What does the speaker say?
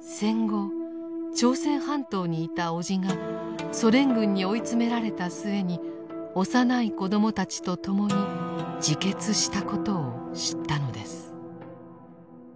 戦後朝鮮半島にいた叔父がソ連軍に追い詰められた末に幼い子供たちと共に自決したことを知ったのです。